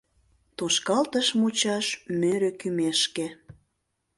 Тошкалтыш мучаш мӧрӧ кӱмешке